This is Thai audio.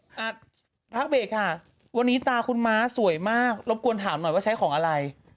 หากพักเบรกค่ะวันนี้ตาคุณม้าสวยมากรบกวนถามหน่อยว่าใช้ของอะไร